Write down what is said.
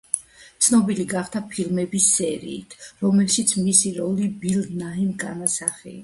ცნობილი გახდა ფილმების სერიით, რომელშიც მისი როლი ბილ ნაიმ განასახიერა.